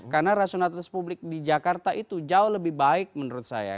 karena rasionalitas publik di jakarta itu jauh lebih baik menurut saya